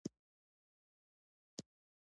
ښه سوغاتونه موجود نه وه.